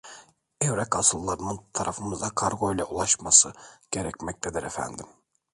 Evrak asıllarının tarafımıza kargo ile ulaşması gerekmektedir efendim